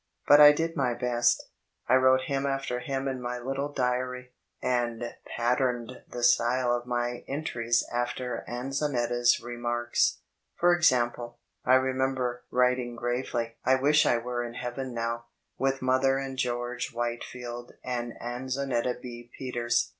But I did my best; I wrote hymn after hymn in my litde diary, and patterned the style of my entries afrer Anzonet ta's remarks. For example, I remember writing gravely "I wish I were in Heaven now, with Mother and George Whitfield and Anzonetta B. Peters."